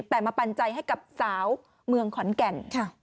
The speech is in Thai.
แต่มาปันใจให้กับสาวเมืองขอนแก่น